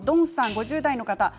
５０代の方です。